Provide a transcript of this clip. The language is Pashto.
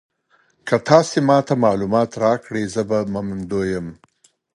که تاسي ما ته معلومات راکړئ زه به منندوی یم.